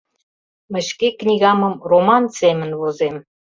“Мый шке книгамым роман семын возем.